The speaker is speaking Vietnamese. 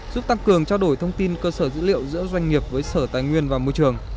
giúp tăng cường trao đổi thông tin cơ sở dữ liệu giữa doanh nghiệp với sở tài nguyên và môi trường